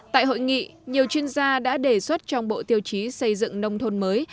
tại hội nghị nhiều chuyên gia đã đề xuất trong bộ tiêu chí xây dựng nông thôn mới